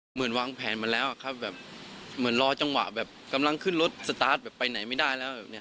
เหมือนวางแผนมาแล้วครับแบบเหมือนรอจังหวะแบบกำลังขึ้นรถสตาร์ทแบบไปไหนไม่ได้แล้วแบบนี้